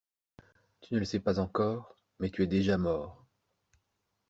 Tu ne le sais pas encore, mais tu es déjà mort.